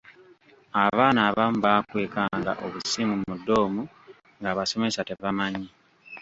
Abaana abamu baakwekanga obusimu mu ddoomu ng’abasomesa tebamanyi.